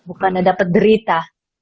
bukan dapet derita